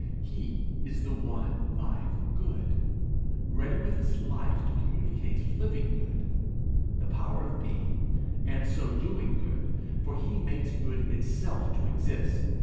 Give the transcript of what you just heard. He is the one live good, ready with his life to communicate living good, the power of being, and so doing good, for he makes good itself to exist.